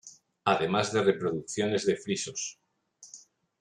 Además de reproducciones de frisos.